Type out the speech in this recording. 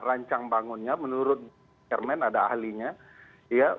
rancang bangunnya menurut hermen ada ahlinya